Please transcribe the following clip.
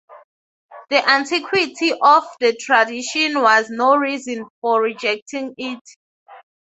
The antiquity of the tradition was no reason for rejecting it.